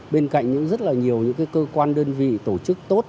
bên cạnh rất nhiều cơ quan đơn vị tổ chức tốt